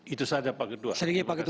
itu saja pak ketua